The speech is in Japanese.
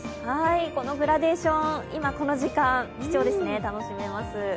このグラデーション、今この時間、貴重ですね、楽しめます。